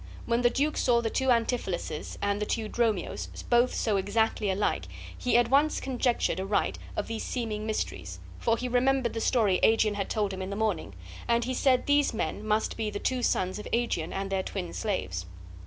When the duke saw the two Antipholuses and the two Dromios both so exactly alike, he at once conjectured aright of these seeming mysteries, for he remembered the story Aegeon had told him in the morning; and he said these men must be the two sons of Aegeon and their twin slaves.